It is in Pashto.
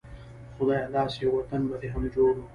خدايه داسې يو وطن به دې هم جوړ و